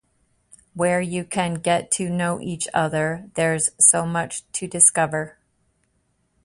Where you can get to know each other, there's so much to discover.